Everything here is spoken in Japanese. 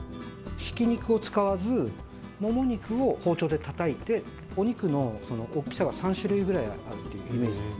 ひき肉を使わず、もも肉を包丁でたたいて、お肉の大きさが３種類ぐらいあるというイメージ。